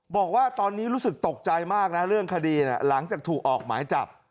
บอกว่าตอนนี้รู้สึกตกใจมากนะเรื่องคดีหลังจากถูกออกหมายจับ